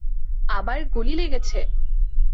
আবার গুলি লেগেছে!